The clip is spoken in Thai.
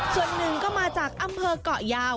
ส่วนหนึ่งก็มาจากอำเภอกเกาะยาว